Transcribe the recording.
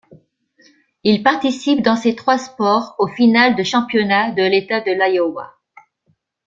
Il participe dans ses trois sports aux finales de championnat de l'État de l'Iowa.